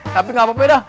tapi gak apa apa dah